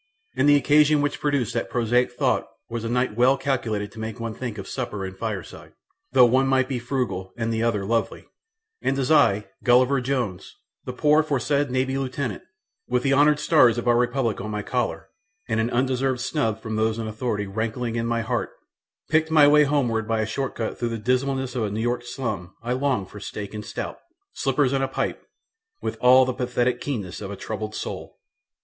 And the occasion which produced that prosaic thought was a night well calculated to make one think of supper and fireside, though the one might be frugal and the other lonely, and as I, Gulliver Jones, the poor foresaid Navy lieutenant, with the honoured stars of our Republic on my collar, and an undeserved snub from those in authority rankling in my heart, picked my way homeward by a short cut through the dismalness of a New York slum I longed for steak and stout, slippers and a pipe, with all the pathetic keenness of a troubled soul.